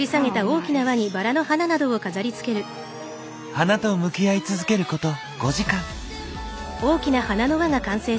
花と向き合い続けること５時間。